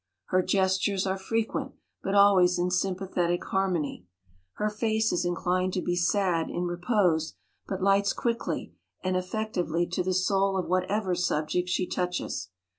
Her ges tures are frequent, but always in sympa thetic harmony. Her face is inclined to be sad in repose, but lights quickly and effec tively to the soul of whatever subject she touches.